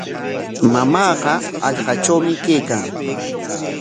Mamaaqa hallqatrawmi kaykan.